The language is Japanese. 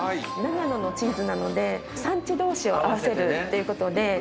長野のチーズなので産地同士を合わせるということで。